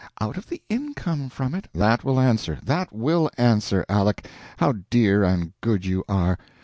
Out of the income from it " "That will answer, that will answer, Aleck! How dear and good you are!